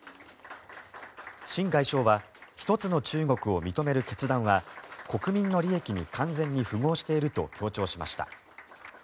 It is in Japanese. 秦外相は一つの中国を認める決断は国民の利益に完全に符合していると強調しました。